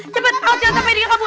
jangan sampai dia kabur